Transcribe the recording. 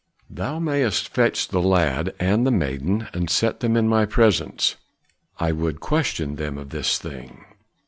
"Thou mayest fetch the lad and the maiden and set them in my presence. I would question them of this thing."